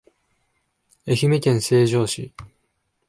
愛媛県西条市